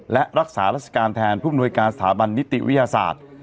และรักษาราชการแทนผู้มนวยการสถาบันนิติวิทยาศาสตร์